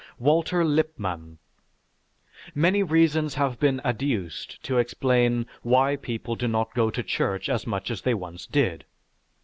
WALTER LIPPMANN Many reasons have been adduced to explain why people do not go to church as much as they once did.